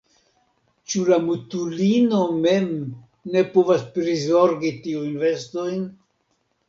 Ĉu la mutulino mem ne povas prizorgi tiujn vestojn?